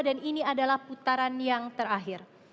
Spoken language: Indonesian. dan ini adalah putaran yang terakhir